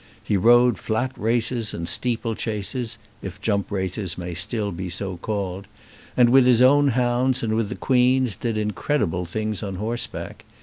He rode flat races and steeple chases, if jump races may still be so called; and with his own hounds and with the Queen's did incredible things on horseback.